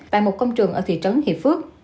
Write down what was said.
tại một công trường ở thị trấn hiệp phước